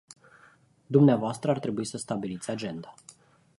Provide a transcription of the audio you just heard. Dvs. ar trebui să stabiliți agenda.